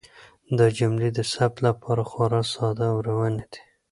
دا جملې د ثبت لپاره خورا ساده او روانې دي.